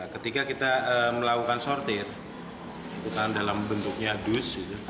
ketika kita melakukan sortir bukan dalam bentuknya dus